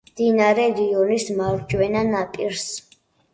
მდინარე რიონის მარჯვენა ნაპირას.